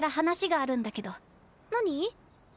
何？